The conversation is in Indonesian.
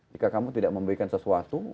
jika kamu tidak memberikan sesuatu